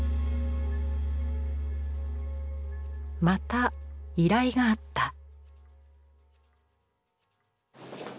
また依頼があった。